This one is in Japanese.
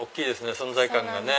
存在感がね。